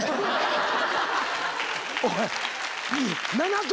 おい。